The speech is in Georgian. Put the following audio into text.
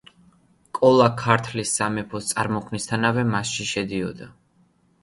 კოლა ქართლის სამეფოს წარმოქმნისთანავე მასში შედიოდა.